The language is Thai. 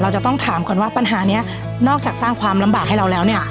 จะต้องถามก่อนว่าปัญหานี้นอกจากสร้างความลำบากให้เราแล้วเนี่ย